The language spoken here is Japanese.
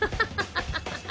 ハハハハ！